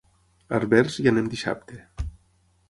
A Herbers hi anem dissabte.